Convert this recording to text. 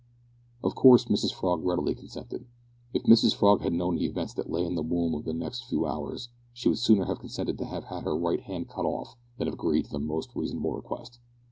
Of course Mrs Frog readily consented. If Mrs Frog had known the events that lay in the womb of the next few hours, she would sooner have consented to have had her right hand cut off than have agreed to that most reasonable request.